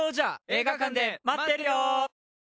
映画館で待ってるよ！